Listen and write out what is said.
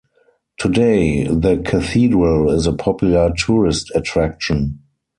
Today, the cathedral is a popular tourist attraction.